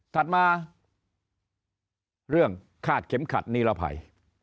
ถัดมาเรื่องคาดเข็มขัดนิรภัย